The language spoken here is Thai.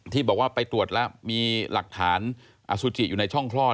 ที่บอกว่าไปตรวจแล้วมีหลักฐานอสุจิอยู่ในช่องคลอด